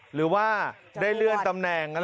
หรือว่าได้เลื่อนตำแหน่ง